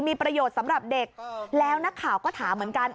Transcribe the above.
มีประโยชน์สำหรับเด็กแล้วนักข่าวก็ถามเหมือนกัน